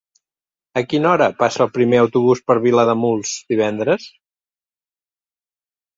A quina hora passa el primer autobús per Vilademuls divendres?